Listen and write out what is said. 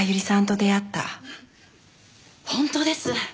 本当です。